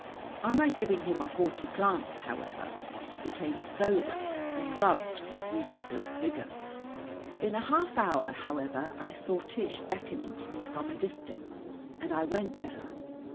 On my giving him a haughty glance, however, he became sober and rubbed with redoubled vigor. In a half hour, however, I saw Tish beckoning to me from a distance, and I went to her.